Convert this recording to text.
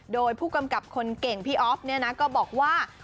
โดยผู้กำกับคนเก่งพี่อ๊อฟบอกว่า